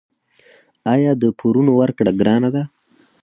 آیا د پورونو ورکړه ګرانه ده؟